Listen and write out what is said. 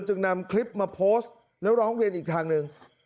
จึงนำคลิปมาโพสต์แล้วร้องเรียนอีกทางหนึ่ง